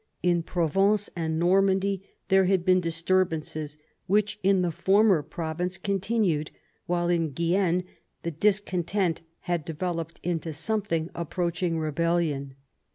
In Provence and Normandy there had been disturbances, which in the former province continued, while in Guienne the discontent had developed into something approaching rebellion.